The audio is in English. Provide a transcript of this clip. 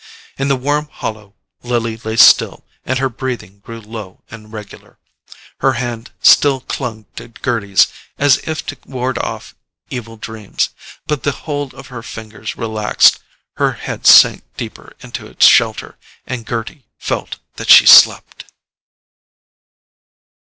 In the warm hollow Lily lay still and her breathing grew low and regular. Her hand still clung to Gerty's as if to ward off evil dreams, but the hold of her fingers relaxed, her head sank deeper into its shelter, and Gerty felt that she slept.